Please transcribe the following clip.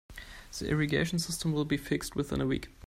The irrigation system will be fixed within a week.